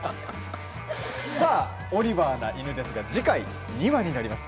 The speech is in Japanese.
「オリバーな犬」ですが次回、２話になります。